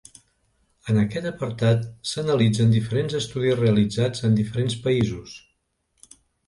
En aquest apartat s'analitzen diferents estudis realitzats en diferents països.